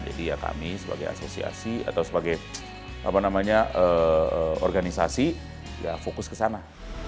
jadi ya kami sebagai asosiasi atau sebagai organisasi ya fokus ke sana